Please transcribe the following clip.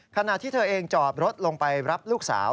ขณะที่เธอเองจอดรถลงไปรับลูกสาว